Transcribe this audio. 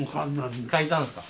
描いたんですか？